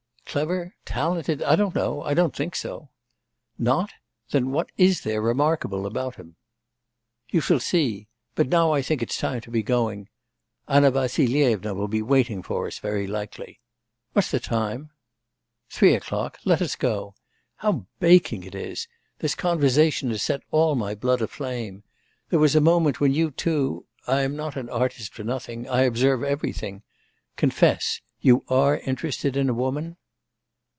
'Clever talented I don't know, I don't think so.' 'Not? Then, what is there remarkable in him?' 'You shall see. But now I think it's time to be going. Anna Vassilyevna will be waiting for us, very likely. What's the time?' 'Three o'clock. Let us go. How baking it is! This conversation has set all my blood aflame. There was a moment when you, too, ... I am not an artist for nothing; I observe everything. Confess, you are interested in a woman?